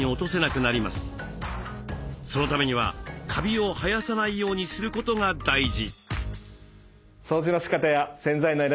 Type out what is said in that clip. そのためにはカビを生やさないようにすることが大事。